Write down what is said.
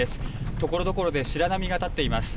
ところどころで白波が立っています。